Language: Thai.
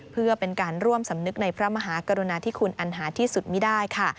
เพื่อเป็นการร่วมสำนึกในพระมหากรุณาธิคุณอันหาที่สุดไม่ได้ค่ะ